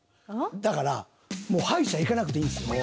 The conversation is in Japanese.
だからもう歯医者行かなくていいんすよ。